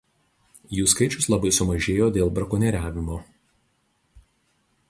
Jų skaičius labai sumažėjo dėl brakonieriavimo.